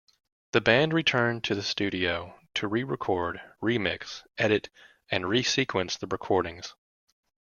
The band returned to the studio to re-record, remix, edit, and re-sequence the recordings.